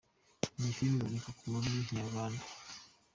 Iyi filimi iboneka no mu rurimi rw'ikinyarwanda.